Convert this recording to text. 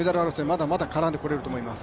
まだまだ絡んでこれると思います。